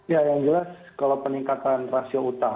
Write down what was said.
ya yang jelas kalau peningkatan rasio utang